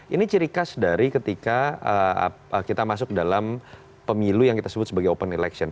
ini ciri khas dari ketika kita masuk dalam pemilu yang kita sebut sebagai open election